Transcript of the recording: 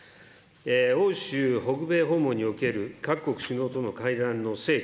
欧州北米訪問における各国首脳との会談の成果